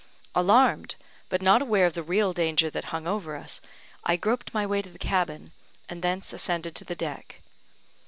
Alarmed, but not aware of the real danger that hung over us, I groped my way to the cabin, and thence ascended to the deck.